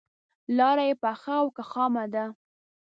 لاره یې پخه او که خامه ده.